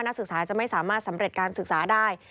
นักศึกษาจะไม่สามารถสำเร็จการศึกษาได้